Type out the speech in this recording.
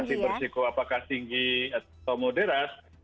masih bersiko apakah tinggi atau moderat